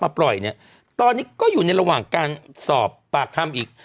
ปล่อยเนี่ยตอนนี้ก็อยู่ในระหว่างการสอบปากคำอีก